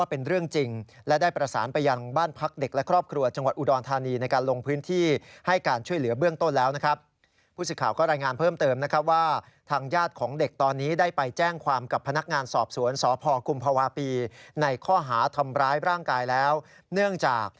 พูดสิทธิ์ข่าก็รายงานเพิ่มเติมนะครับว่า